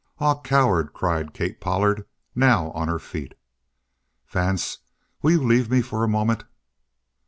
"Ah, coward!" cried Kate Pollard, now on her feet. "Vance, will you leave me for a moment?"